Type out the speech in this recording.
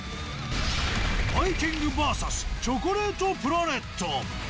バイキングｖｓチョコレートプラネット。